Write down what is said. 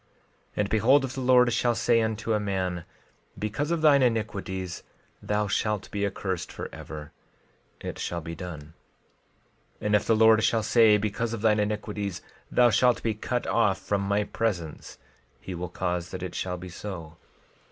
12:20 And behold, if the Lord shall say unto a man—Because of thine iniquities, thou shalt be accursed forever—it shall be done. 12:21 And if the Lord shall say—Because of thine iniquities thou shalt be cut off from my presence—he will cause that it shall be so.